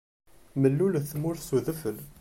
Mellulet tmurt s udfel.